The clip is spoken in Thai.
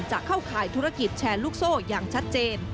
จะเข้าข่ายธุรกิจแชร์ลูกโซ่อย่างชัดเจน